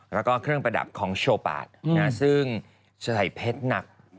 แล้วก็เครื่องประดับของโชว์ปาดซึ่งจะใส่เพชรหนัก